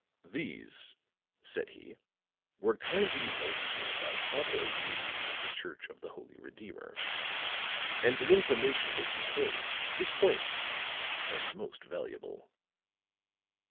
"These," said he, "were kindly loaned me by Father O'Leary of the Church of the Holy Redeemer. And the information they contain is quaint and most valuable."